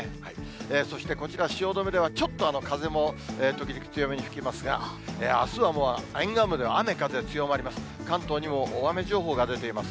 そしてこちら、汐留ではちょっと風も時々、強めに吹きますが、あすはもう、沿岸部では雨風強まります。